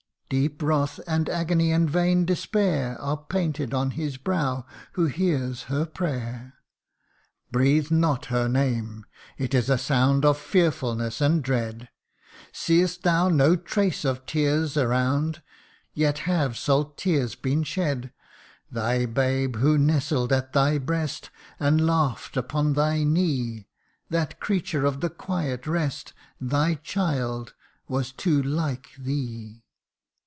Deep wrath, and agony, and vain despair, Are painted on his brow who hears her prayer. ,' Breathe not her name it is a sound Of fearfulness and dread. Seest thou no trace of tears around ? Yet have salt tears been shed ! Thy babe who nestled at thy breast, And laugh 'd upon thy knee ; That creature of the quiet rest, Thy child was too like thee